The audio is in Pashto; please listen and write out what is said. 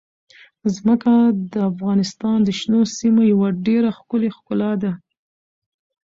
ځمکه د افغانستان د شنو سیمو یوه ډېره ښکلې ښکلا ده.